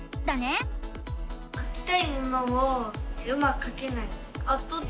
かきたいものをうまくかけない。